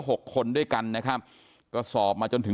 นางนาคะนี่คือยายน้องจีน่าคุณยายถ้าแท้เลย